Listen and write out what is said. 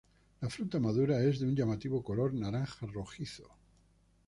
La fruta madura es de un llamativo color naranja rojizo.